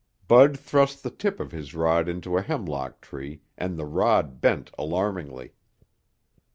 Bud thrust the tip of his rod into a hemlock tree and the rod bent alarmingly.